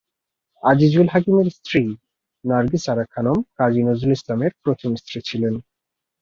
আজিজুল হাকিমের স্ত্রী নার্গিস আসার খানম কাজী নজরুল ইসলামের প্রথম স্ত্রী ছিলেন।